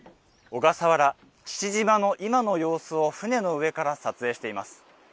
小笠原・父島の今の様子を、船の上から撮影しています。